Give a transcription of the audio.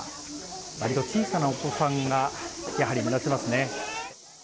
わりと小さなお子さんがやはり目立ちますね。